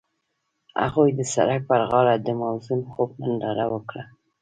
هغوی د سړک پر غاړه د موزون خوب ننداره وکړه.